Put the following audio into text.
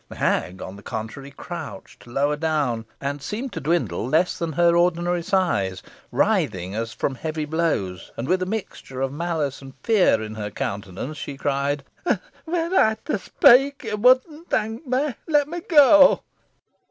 The hag, on the contrary, crouched lower down, and seemed to dwindle less than her ordinary size. Writhing as from heavy blows, and with a mixture of malice and fear in her countenance, she cried, "Were I to speak, you would not thank me. Let me go."